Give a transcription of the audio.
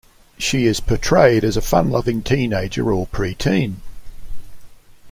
She is portrayed as a fun-loving teenager or preteen.